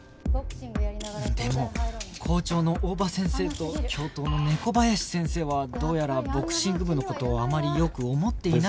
でも校長の大場先生と教頭の猫林先生はどうやらボクシング部の事をあまりよく思っていないみたいで